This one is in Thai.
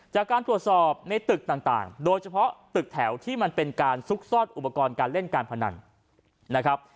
จากการตรวจสอบในตึกต่างโดยเฉพาะตึกแถวที่มันเป็นการซุกซ่อนอุปกรณ์การเล่นการพนันนะครับ